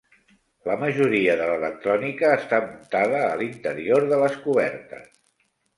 La majoria de l'electrònica està muntada a l'interior de les cobertes.